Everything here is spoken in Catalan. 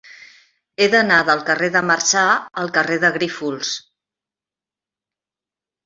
He d'anar del carrer de Marçà al carrer de Grífols.